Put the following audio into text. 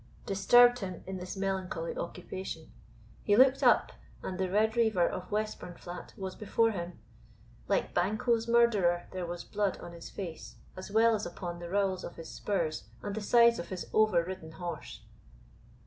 disturbed him in this melancholy occupation. He looked up, and the Red Reiver of Westburnflat was before him. Like Banquo's murderer, there was blood on his face, as well as upon the rowels of his spurs and the sides of his over ridden horse.